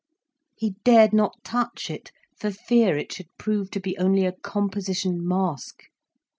He dared not touch it, for fear it should prove to be only a composition mask.